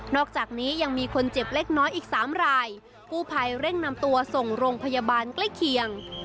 อกจากนี้ยังมีคนเจ็บเล็กน้อยอีกสามรายกู้ภัยเร่งนำตัวส่งโรงพยาบาลใกล้เคียง